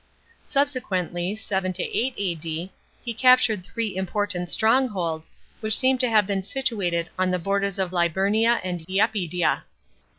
Subsequently (7 8 A.D.) he captured three important strongholds,* which seem to have been situated on the borders of Liburnia and lapydia.